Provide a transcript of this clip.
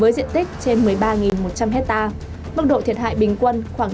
với diện tích trên một mươi ba một trăm linh hectare mức độ thiệt hại bình quân khoảng năm mươi hai